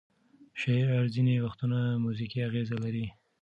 شعر ځینې وختونه موزیکي اغیز لري.